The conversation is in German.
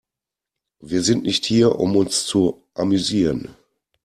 Wir sind nicht hier, um uns zu amüsieren.